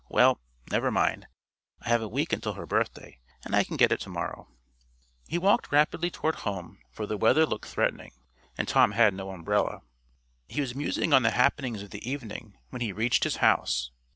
Well, never mind, I have a week until her birthday, and I can get it to morrow." He walked rapidly toward home, for the weather looked threatening, and Tom had no umbrella. He was musing on the happenings of the evening when he reached his house.